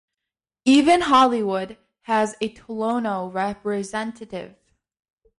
Even Hollywood has a Tolono representative.